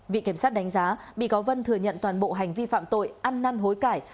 viện kiểm sát đánh giá bị cáo vân thừa nhận toàn bộ hành vi phạm tội ăn năn hối cải